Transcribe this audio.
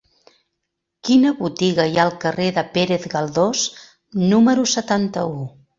Quina botiga hi ha al carrer de Pérez Galdós número setanta-u?